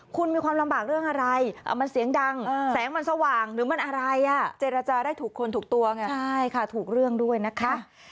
คุณมีความลำบากเรื่องอะไรมันเสียงดังแสงมันสว่างหรือมันอะไรอ่ะเจรจาได้ถูกคนถูกตัวไงใช่ค่ะถูกเรื่องด้วยนะคะ